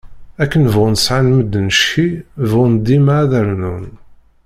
Akken bɣun sεan medden cci, beɣɣun dima ad d-rnun.